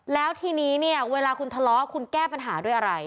แล้วทีนี้เนี่ยเวลาคุณทะเลาะคุณแก้ปัญหาด้วยอะไร